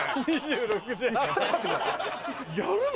やるの？